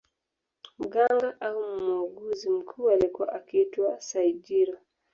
Mganga au muuguzi mkuu alikuwa akiitwa Saigiro